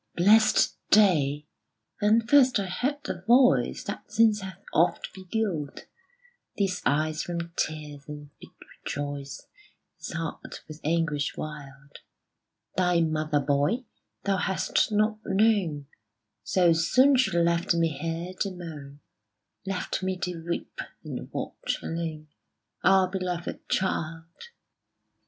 Blest day! Then first I heard the voice That since hath oft beguiled These eyes from tears, and bid rejoice This heart with anguish wild Thy mother, boy, thou hast not known; So soon she left me here to moan Left me to weep and watch, alone, Our one beloved child.